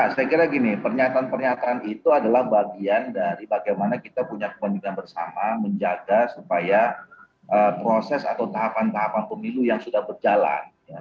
saya kira gini pernyataan pernyataan itu adalah bagian dari bagaimana kita punya kemandikan bersama menjaga supaya proses atau tahapan tahapan pemilu yang sudah berjalan